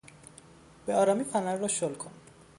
به آرامی فنر را شل کن!